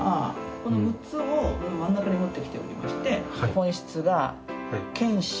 この６つを真ん中に持ってきておりまして。